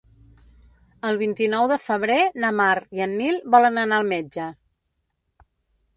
El vint-i-nou de febrer na Mar i en Nil volen anar al metge.